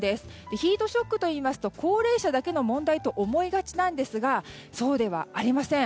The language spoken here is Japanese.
ヒートショックといいますと高齢者だけの問題と思いがちなんですがそうではありません。